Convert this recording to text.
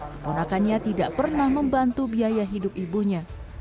keponakannya tidak pernah membantu biaya hidup ibunya